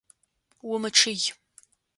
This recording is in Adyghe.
Умычъый!